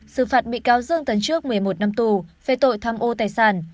sự phạt bị cáo dương tấn trước một mươi một năm tù về tội thăm ô tài sản